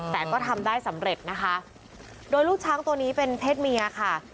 แต่ก็ทำได้สำเร็จนะคะโดยลูกช้างตัวนี้เป็นเพศเมียค่ะ